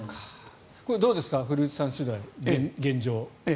これ、どうですか古内さんは現状。